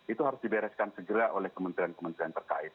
itu harus dibereskan segera oleh kementerian kementerian terkait